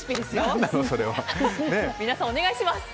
皆さん、お願いします。